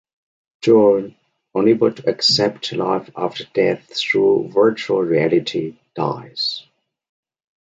John, unable to accept life after death through virtual reality, dies.